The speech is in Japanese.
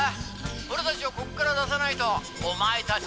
俺たちをここから出さないとお前たち